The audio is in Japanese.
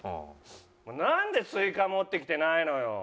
なんでスイカ持ってきてないのよ！